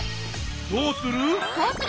どうする？